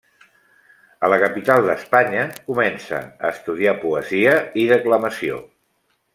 A la capital d'Espanya comença a estudiar poesia i declamació.